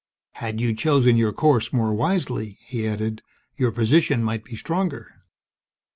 "Had you chosen your course more wisely," he added, "your position might be stronger."